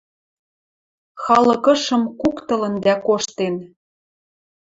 Халык ышым куктылын дӓ коштен